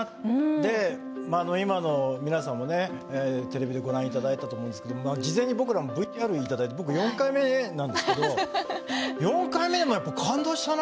で今の皆さんもねテレビでご覧頂いたと思うんですけど事前に僕らもＶＴＲ頂いて僕４回目なんですけど４回目でもやっぱ感動したな。